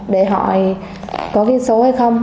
để hỏi có ghi số hay không